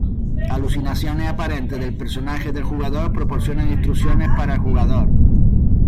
Alucinaciones aparentes del personaje del jugador proporcionan instrucciones para el jugador.